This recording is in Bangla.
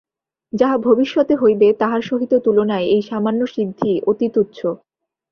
যাহা ভবিষ্যতে হইবে, তাহার সহিত তুলনায় এই সামান্য সিদ্ধি অতি তুচ্ছ।